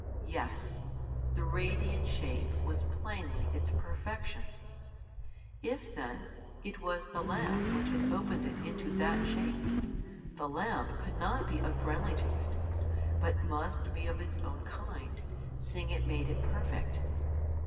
Yes; the radiant shape was plainly its perfection! If, then, it was the lamp which had opened it into that shape, the lamp could not be unfriendly to it, but must be of its own kind, seeing it made it perfect!